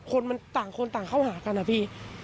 คนมันต่างคนต่างเข้าหากันนะพี่